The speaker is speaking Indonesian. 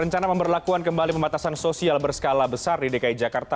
rencana pemberlakuan kembali pembatasan sosial berskala besar di dki jakarta